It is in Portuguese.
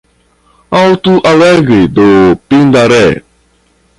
Alto Alegre do Pindaré